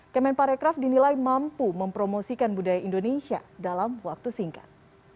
kemenparekraf dinilai mampu mempromosikan budaya indonesia dalam waktu singkat